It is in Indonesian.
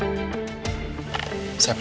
kayak gimana ada nilainya kan